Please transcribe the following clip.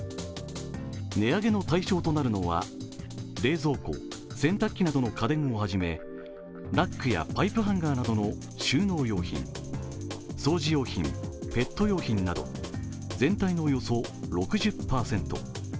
値上げの対象となるのは冷蔵庫、洗濯機などの家電をはじめラックやパイプハンガーなどの収納用品掃除用品、ペット用品など全体のおよそ６０％。